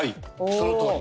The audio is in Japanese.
そのとおり。